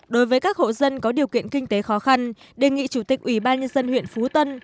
đối với các hộ dân có điều kiện kinh tế khó khăn đề nghị chủ tịch ủy ban nhân dân huyện phú tân